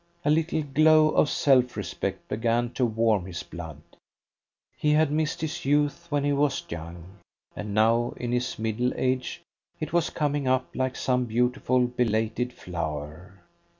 A little glow of self respect began to warm his blood. He had missed his youth when he was young, and now in his middle age it was coming up like some beautiful belated flower.